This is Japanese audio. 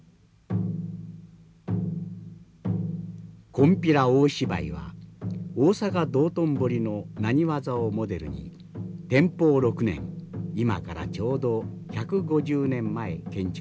金毘羅大芝居は大阪・道頓堀の浪花座をモデルに天保６年今からちょうど１５０年前建築されました。